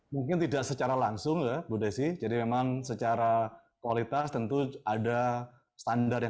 mungkin tidak secara langsung ya bu desi jadi memang secara kualitas tentu ada standar yang